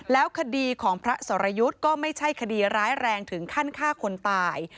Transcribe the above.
แล้วคดีของพระสรยุทธ์ก็ไม่ใช่คดีร้ายแรงถึงขั้นฆ่าคนตาย